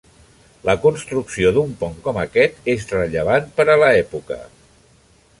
La construcció d'un pont com aquest és rellevant per a l'època.